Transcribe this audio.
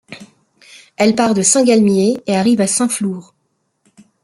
Elle part de Saint-Galmier, et arrive à Saint-Flour.